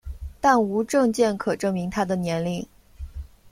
但无证件可证明她的年龄。